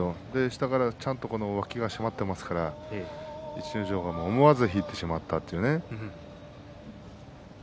下からちゃんと脇が締まっていますから逸ノ城が思わず引いてしまったというね。